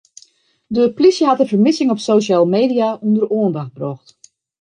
De plysje hat de fermissing op sosjale media ûnder de oandacht brocht.